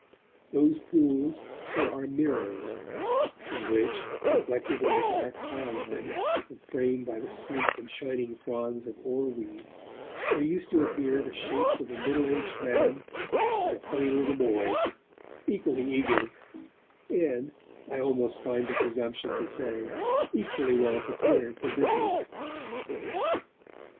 Those pools were our mirrors, in which, reflected in the dark hyaline and framed by the sleek and shining fronds of oar weed there used to appear the shapes of a middle aged man and a funny little boy, equally eager, and, I almost find the presumption to say, equally well prepared fog business.